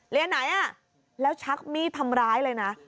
ไหนอ่ะแล้วชักมีดทำร้ายเลยนะ